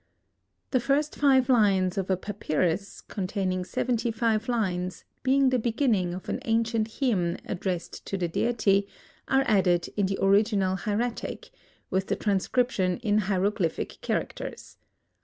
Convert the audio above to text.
The first five lines of a Papyrus (containing 75 lines), being the beginning of an ancient hymn addressed to the Deity, are added in the original Hieratic, with the transcription in Hieroglyphic characters.